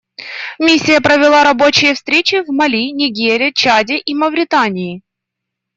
Миссия провела рабочие встречи в Мали, Нигере, Чаде и Мавритании.